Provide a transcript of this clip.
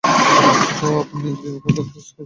ওহ আপনি Vivekananda cross street থেকে বলছেন!